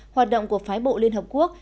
hoạt động của phái bộ liên hợp quốc